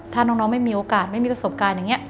ถ้าน้องไม่มีโอกาสไม่มีประสบการณ์อย่างนี้